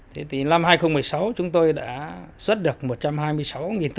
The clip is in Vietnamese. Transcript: thế thì năm hai nghìn một mươi sáu chúng tôi đã xuất được một trăm hai mươi sáu tấn